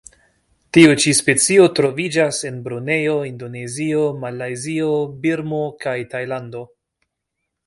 Tiu ĉi specio troviĝas en Brunejo, Indonezio, Malajzio, Birmo kaj Tajlando.